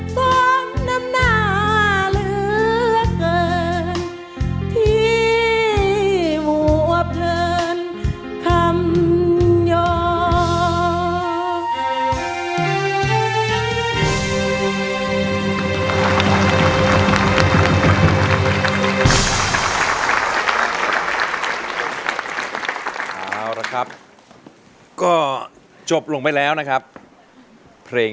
ฟ้องน้ำหนาเหลือเกิน